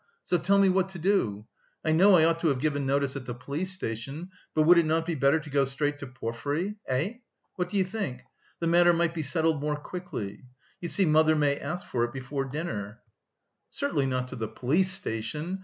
So tell me what to do. I know I ought to have given notice at the police station, but would it not be better to go straight to Porfiry? Eh? What do you think? The matter might be settled more quickly. You see, mother may ask for it before dinner." "Certainly not to the police station.